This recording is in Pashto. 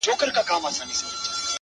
• یوه ورځ پر یوه لوی مار وو ختلی,